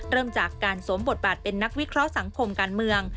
เริ่มจากการสวมบทบาทเป็นนักวิเคราะห์สังคมการเมือง